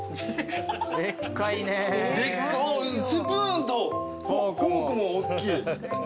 スプーンとフォークもおっきい。